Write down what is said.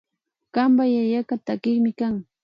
Kanpak yayaka takikmi kan